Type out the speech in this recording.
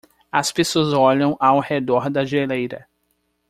As pessoas olham ao redor da geleira